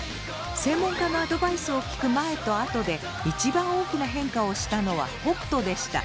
専門家のアドバイスを聞く前と後で一番大きな変化をしたのは北斗でした。